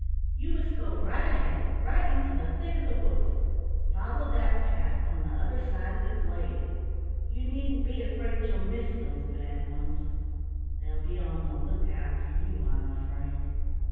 You must go right ahead, right into the thick of the woods. Follow that path on the other side of the glade. You needn't be afraid you'll miss those Bad Ones they'll be on the lookout for you, I'm afraid."